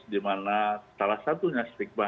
dimana salah satunya stigma